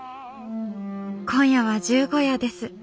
今夜は十五夜です。